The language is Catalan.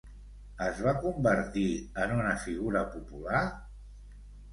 Es va convertir en una figura popular?